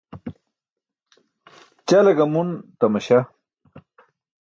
Ćale gamun tamaśah.